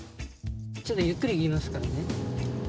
ちょっとゆっくり行きますか